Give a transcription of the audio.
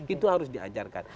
itu harus diajarkan